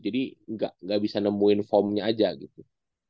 jadi gak bisa nemuin formnya aja gitu